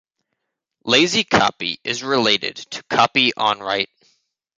Lazy copy is related to copy-on-write.